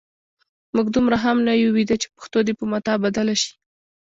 موږ دومره هم نه یو ویده چې پښتو دې په متاع بدله شي.